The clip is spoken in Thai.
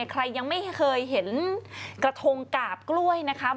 ใครยังไม่เคยเห็นกระทงกาบกล้วยนะคะ